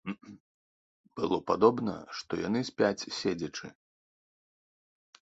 Было падобна, што яны спяць седзячы.